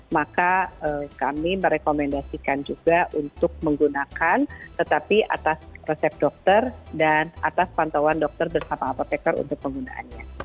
maka kami merekomendasikan juga untuk menggunakan tetapi atas resep dokter dan atas pantauan dokter bersama apoteker untuk penggunaannya